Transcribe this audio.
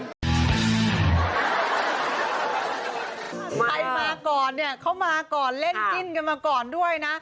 ใครมาก่อนเนี่ยเขามาก่อนเล่นจิ้นกันมาก่อนด้วยนะ